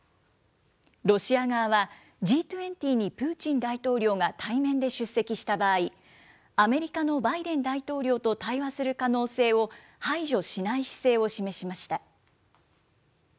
ロシア側は、Ｇ２０にプーチン大統領が対面で出席した場合、アメリカのバイデン大統領と対話する可能性を排除しない姿勢を示しました。